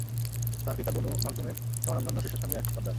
তাঁর পিতা বনু মাখযুমের স্বনামধন্য শীর্ষস্থানীয় এক সর্দার।